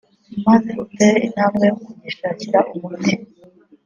maze utere intambwe yo kugishakira umuti